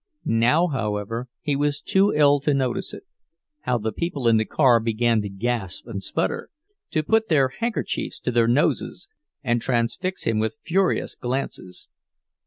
Now, however, he was too ill to notice it—how the people in the car began to gasp and sputter, to put their handkerchiefs to their noses, and transfix him with furious glances.